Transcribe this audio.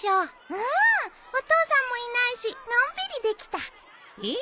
うんお父さんもいないしのんびりできた。えっ？